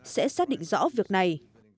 sẽ xác định rõ việc này